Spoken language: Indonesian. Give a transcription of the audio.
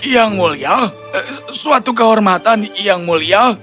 yang mulia suatu kehormatan yang mulia